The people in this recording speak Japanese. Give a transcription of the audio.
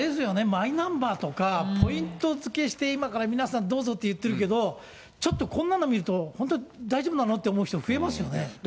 マイナンバーとか、ポイント付けして、今から皆さんどうぞって言ってるけど、ちょっとこんなの見ると、本当、大丈夫なの？って思う人増えますよね。